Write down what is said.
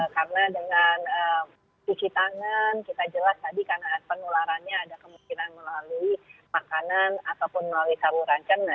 karena dengan cuci tangan kita jelas tadi karena penularannya ada kemungkinan melalui makanan ataupun melalui saru rancang